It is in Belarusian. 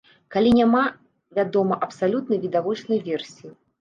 Калі няма, вядома, абсалютна відавочнай версіі.